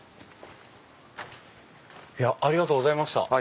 いやありがとうございました。